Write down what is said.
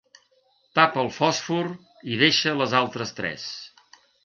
Tapa el fòsfor i deixa les altres tres.